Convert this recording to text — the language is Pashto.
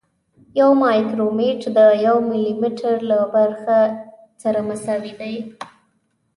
یو مایکرومتر د یو ملي متر له برخې سره مساوي دی.